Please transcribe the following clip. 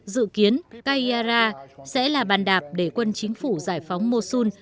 dự kiến kayara sẽ là bàn đạp để quân chính phủ giải phóng mosun